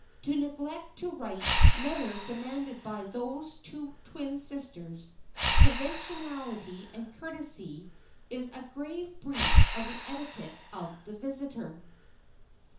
To neglect to write the letter demanded by those twin sisters, Conventionality and Courtesy, is a grave breach of the etiquette of the visitor.